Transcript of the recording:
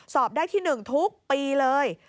สอบได้ที่๑ทุกปีเลย